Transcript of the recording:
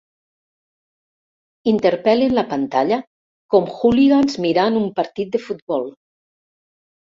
Interpel·len la pantalla com hooligans mirant un partit de futbol.